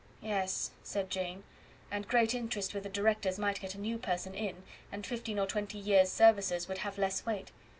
"Yes," said Jane; "and great interest with the directors might get a new person in, and fifteen or twenty years' services would have less weight.